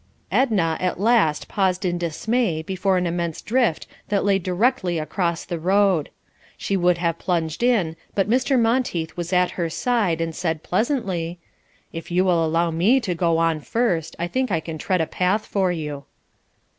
Edna at last paused in dismay before an immense drift that lay directly across the road. She would have plunged in, but Mr. Monteith was at her side and said pleasantly, "If you will allow me to go on first, I think I can tread a path for you."